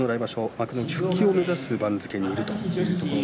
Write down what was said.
幕内復帰を目指す番付にいます。